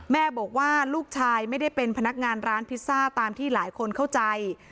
แม่บอกว่าลูกชายไม่ได้เป็นพนักงานร้านพิซซ่าตามที่หลายคนเข้าใจ